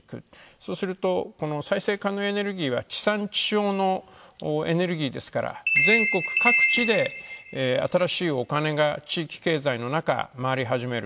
そうすると、再生可能エネルギーは地産地消のエネルギーですから、全国各地で新しいお金が地域経済の中、回り始める。